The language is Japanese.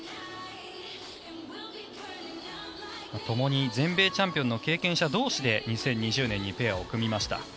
ともに全米チャンピオンの経験者同士で２０２０年にペアを組みました。